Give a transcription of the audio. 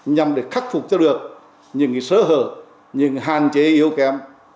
nhằm để khắc phục cho được những sở hở những hàn chế yếu kém